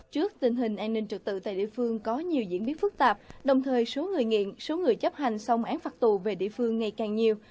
trước tình hình an ninh trực tự tại địa phương có nhiều diễn biến phức tạp đồng thời số người nghiện số người chấp hành xong án phạt tù về địa phương ngày càng nhiều